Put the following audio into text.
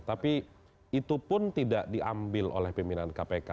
tapi itu pun tidak diambil oleh pimpinan kpk